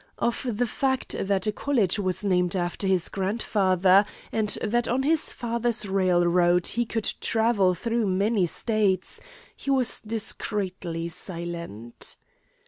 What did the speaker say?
Of the fact that a college was named after his grandfather and that on his father's railroad he could travel through many States, he was discreetly silent.